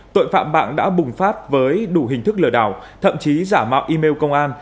tội phạm mạng đã bùng phát với đủ hình thức lừa đảo thậm chí giả mạo email công an